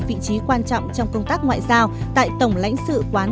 vì chính phủ của quốc gia việt nam